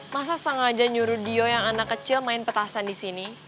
masa sengaja nyuruh dio yang anak kecil main petasan di sini